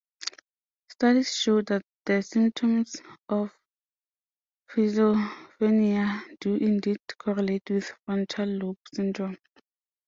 Studies show that the symptoms of schizophrenia do indeed correlate with frontal lobe syndrome.